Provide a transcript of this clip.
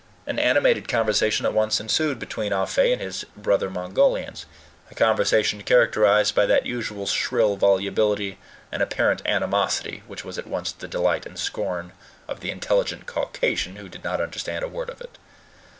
An animated conversation at once ensued between Ah Fe and his brother Mongolians a conversation characterized by that usual shrill volubility and apparent animosity which was at once the delight and scorn of the intelligent Caucasian who did not understand a word of it.